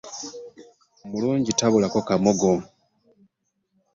Omulungi tabulako kamogo.